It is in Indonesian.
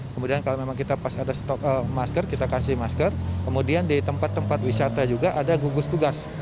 kemudian kalau memang kita pas ada masker kita kasih masker kemudian di tempat tempat wisata juga ada gugus tugas